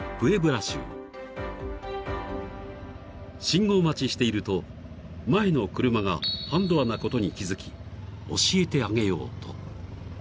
［信号待ちしていると前の車が半ドアなことに気付き教えてあげようと］